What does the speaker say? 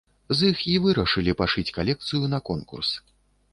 З іх і вырашылі пашыць калекцыю на конкурс.